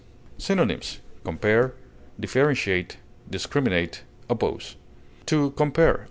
Synonyms: compare, differentiate, discriminate, oppose. To compare (L.